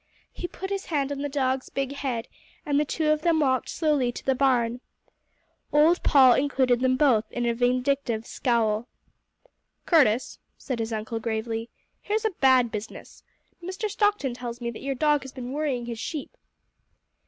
He put his hand on the dog's big head and the two of them walked slowly to the barn. Old Paul included them both in a vindictive scowl. "Curtis," said his uncle gravely, "here's a bad business. Mr. Stockton tells me that your dog has been worrying his sheep."